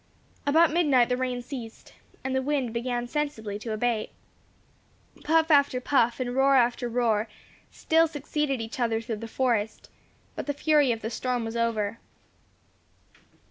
About midnight the rain ceased, and the wind began sensibly to abate. Puff after puff, and roar after roar, still succeeded each other through the forest; but the fury of the storm was over.